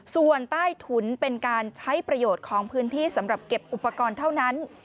ส่วนใต้ถุนเป็นการใช้ประโยชน์ของพื้นที่สำหรับเก็บอุปกรณ์เท่านั้น